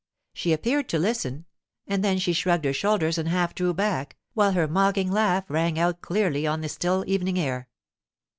She appeared to listen, and then she shrugged her shoulders and half drew back, while her mocking laugh rang out clearly on the still evening air.